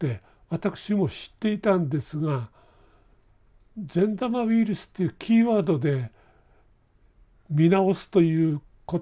私も知っていたんですが「善玉ウイルス」というキーワードで見直すということはなかったんですね。